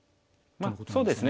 まあそうですね。